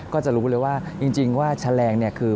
ก็จะรู้เลยว่าจริงว่าแฉลงเนี่ยคือ